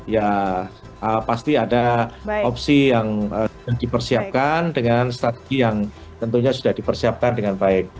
ya pasti ada opsi yang dipersiapkan dengan strategi yang tentunya sudah dipersiapkan dengan baik